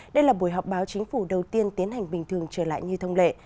đây là buổi họp báo chính phủ đầu tiên tiến hành bình thường trở lại như thông lệ